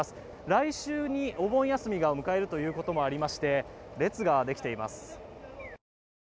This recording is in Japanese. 来週にお盆休みを迎えるということもありまして列ができています。